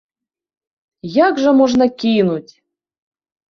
Як жа можна кінуць!